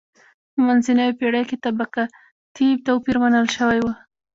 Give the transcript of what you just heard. په منځنیو پېړیو کې طبقاتي توپیر منل شوی و.